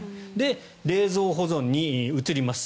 冷蔵保存に移ります。